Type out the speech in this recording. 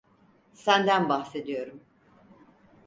Senden bahsediyorum.